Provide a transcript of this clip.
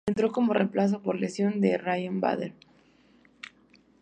Entró como reemplazo por lesión de Ryan Bader.